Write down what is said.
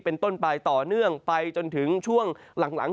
เป็นต้นไปต่อเนื่องไปจนถึงช่วงหลัง